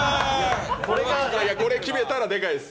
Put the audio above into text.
これ決めたらでかいです